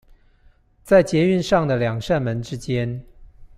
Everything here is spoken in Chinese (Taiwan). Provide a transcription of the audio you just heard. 在捷運上的兩扇門之間